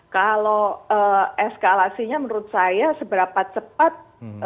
kalau eskalasinya menurut saya seberapa cepat